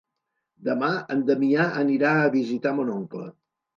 Demà en Damià anirà a visitar mon oncle.